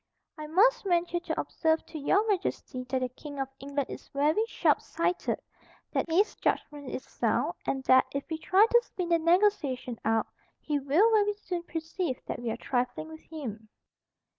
"I must venture to observe to Your Majesty that the King of England is very sharpsighted, that his judgment is sound, and that, if we try to spin the negotiation out, he will very soon perceive that we are trifling with him."